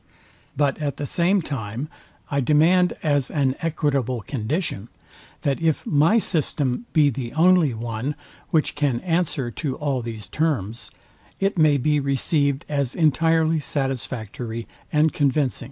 But at the same time I demand as an equitable condition, that if my system be the only one, which can answer to all these terms, it may be receivd as entirely satisfactory and convincing.